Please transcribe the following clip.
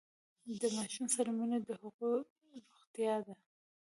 د ماشوم سره مینه د هغه روغتیا ده۔